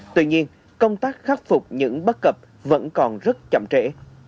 tuy nhiên công tác khắc phục những bất cập vẫn còn rất chậm trễ